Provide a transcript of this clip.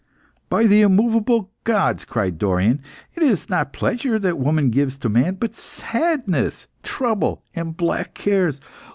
"By the immovable gods," cried Dorion, "it is not pleasure that woman gives to man, but sadness, trouble, and black cares.